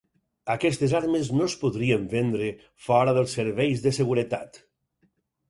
Aquestes armes no es podrien vendre fora dels serveis de seguretat.